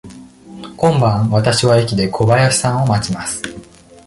今晩、わたしは駅で小林さんを待ちます。